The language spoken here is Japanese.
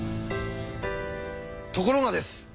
ところがです。